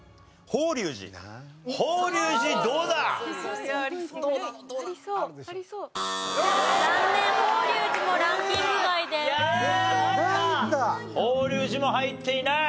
法隆寺も入っていない。